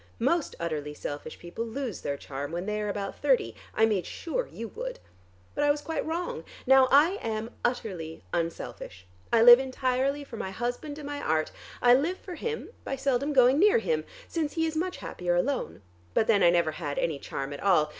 Most utterly selfish people lose their charm when they are about thirty. I made sure you would. But I was quite wrong. Now I am utterly unselfish: I live entirely for my husband and my art. I live for him by seldom going near him, since he is much happier alone. But then I never had any charm at all.